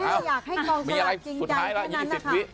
แค่อยากให้กองสลากจริงจัยแค่นั้นนะคะ